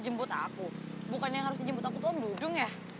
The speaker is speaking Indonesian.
jemput aku bukannya yang harus dijemput aku tuh mendudung ya